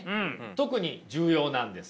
特に重要なんです。